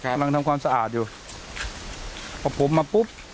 กำลังทำความสะอาดอยู่พอผมมาปุ๊บ